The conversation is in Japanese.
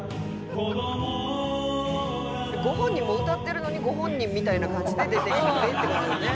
ご本人も歌ってるのにご本人みたいな感じで出てきてってことよね。